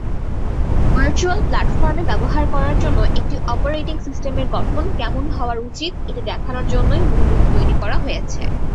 Virtual প্লাটফর্মে ব্যবহার করার জন্য একটি অপারেটিং সিস্টেমের গঠন কেমন হওয়ার উচিত এটি দেখানোর জন্যই মূলত এটি তৈরী করা হয়েছে।